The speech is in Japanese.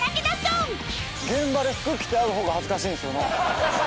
現場で服着て会う方が恥ずかしいんですよね。